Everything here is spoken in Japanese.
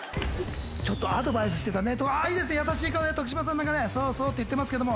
ちょっとアドバイスしてたねあぁいいです優しい顔で徳島アナがねそうそうって言ってますけども。